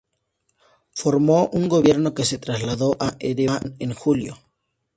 Formó un gobierno que se trasladó a Ereván en julio.